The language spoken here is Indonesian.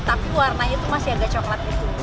tapi warnanya itu masih agak coklat itu